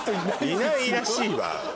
いないらしいわ。